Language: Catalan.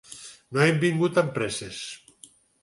No em vinguis amb presses.